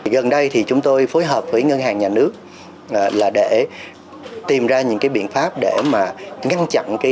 gần đây chúng tôi phối hợp với ngân hàng nhà nước để tìm ra những biện pháp để ngăn chặn